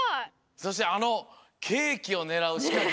そしてあのケーキをねらうしかけ。